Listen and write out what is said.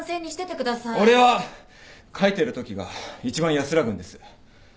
俺は書いてるときが一番安らぐんです。